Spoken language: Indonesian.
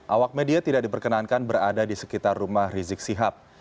awak media tidak diperkenankan berada di sekitar rumah rizik sihab